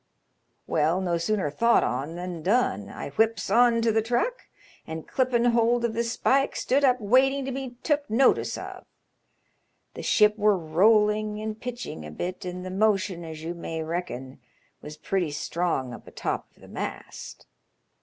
Well, no sooner thought on than done. I whips on to the truck, and clippin' hold of the spike stood up waiting to be took notice of. The ship wur rolling and pitching a bit, and the motion, as you may reckon, was pretty strong up atop of the mast.